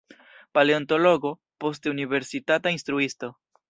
Paleontologo, poste universitata instruisto.